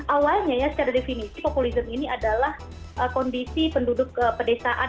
awalnya ya secara definisi populisme ini adalah kondisi penduduk pedesaan